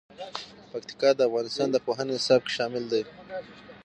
پکتیکا د افغانستان د پوهنې نصاب کې شامل دي.